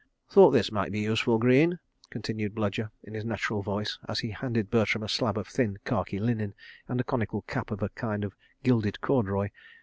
"Thought this might be useful, Greene," continued Bludyer in his natural voice, as he handed Bertram a slab of thin khaki linen and a conical cap of a kind of gilded corduroy.